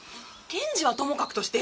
検事はともかくとして。